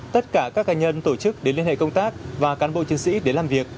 tất cả các cá nhân tổ chức đến liên hệ công tác và cán bộ chiến sĩ đến làm việc